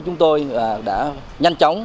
chúng tôi đã nhanh chóng